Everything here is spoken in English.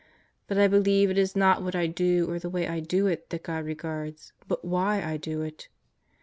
But I believe it is not what I do, or the way I do it, that God regards; but why I do it.